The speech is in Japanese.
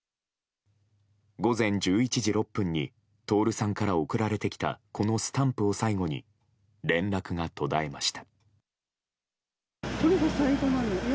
午前１１時６分に徹さんから送られてきたこのスタンプを最後に連絡が途絶えました。